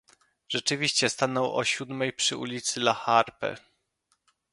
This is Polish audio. "Rzeczywiście stanął o siódmej przy ulicy la Harpe."